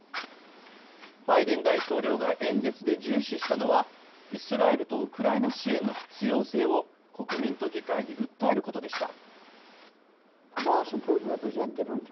バイデン大統領が演説で重視したのはイスラエルとウクライナ支援の必要性を国民と議会に訴えることでした。